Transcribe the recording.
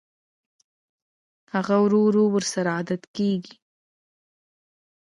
هغه ورو ورو ورسره عادت کېږي